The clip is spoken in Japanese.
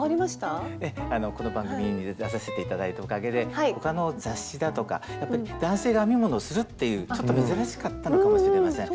ええこの番組に出させて頂いたおかげで他の雑誌だとかやっぱり男性が編み物をするっていうちょっと珍しかったのかもしれません。